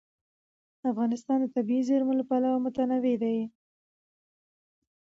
افغانستان د طبیعي زیرمې له پلوه متنوع دی.